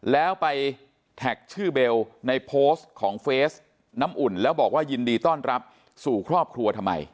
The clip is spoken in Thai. แล้วไปแท็กชื่อเบลในโพสต์ของเฟสน้ำอุ่นแล้วบอกว่ายินดีต้อนรับสู่ครอบครัวทำไม